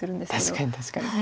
確かに確かに。